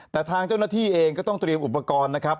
แต่ทางเจ้าหน้าที่เองก็ต้องเตรียมอุปกรณ์นะครับ